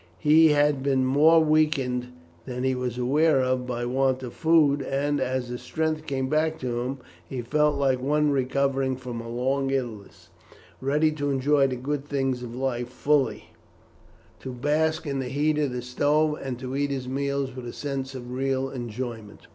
He had been more weakened than he was aware of by want of food, and, as his strength came back to him, he felt like one recovering from a long illness, ready to enjoy the good things of life fully, to bask in the heat of the stove, and to eat his meals with a sense of real enjoyment.